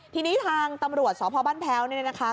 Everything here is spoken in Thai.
ทีนี้ทางตำรวจสพบ้านแพ้วเนี่ยนะคะ